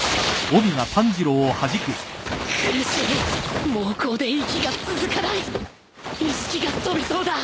苦しい猛攻で息が続かない意識が飛びそうだ